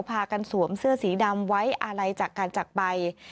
พากันสวมเสื้อสีดำไว้อาลัยจากการจักรไป